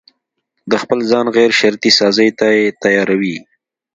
د خپل ځان غيرشرطي سازي ته يې تياروي.